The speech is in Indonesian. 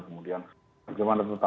kemudian bagaimana tetap berhenti